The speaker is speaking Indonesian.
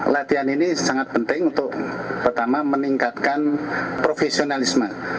latihan ini sangat penting untuk pertama meningkatkan profesionalisme